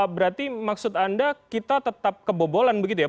berarti maksud anda kita tetap kebobolan begitu ya